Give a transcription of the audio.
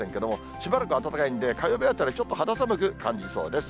しばらく暖かいんで、火曜日あたり、ちょっと肌寒く感じそうです。